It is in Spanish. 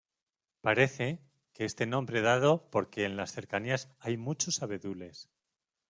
Parece, que este nombre dado porque en las cercanías hay muchos abedules.